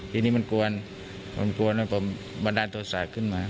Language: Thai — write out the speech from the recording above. ทีนี้มันกวนมันกวนแล้วก็บันดาลโทษศาสตร์ขึ้นมา